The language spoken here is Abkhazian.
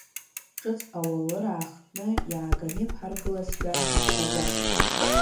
Ҿыц ауалыр аахтны, иааганы иқәҳаргылазшәа ҳаԥхьаӡап…